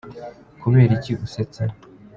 Kubera iki usetse?